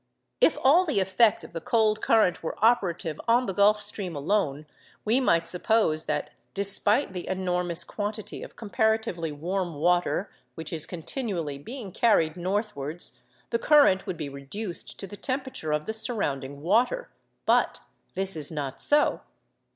If all the effect of the cold current were operative on the Gulf Stream alone we might suppose that, despite the enormous quantity of comparatively warm water which is continually being carried northwards, the current would be reduced to the temperature of the surrounding water. But this is not so.